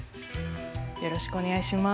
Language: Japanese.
よろしくお願いします。